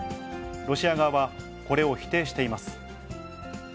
ロシア側はこれを否定しています。